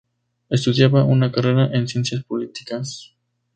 Estudiaba una carrera en ciencias políticas.